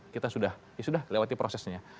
kita sudah lewati prosesnya